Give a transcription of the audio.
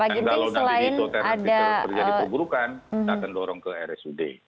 kalau nanti terjadi perburukan kita akan dorong ke rsud